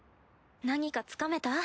何かつかめた？